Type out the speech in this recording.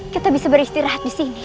kita bisa beristirahat disini